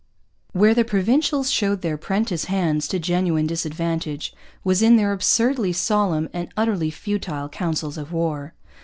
Where the Provincials showed their 'prentice hands to genuine disadvantage was in their absurdly solemn and utterly futile councils of war.